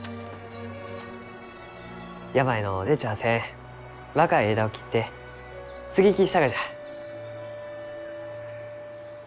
病の出ちゃあせん若い枝を切って接ぎ木したがじゃ。